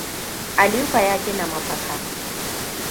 Aliko ta gina mafaka.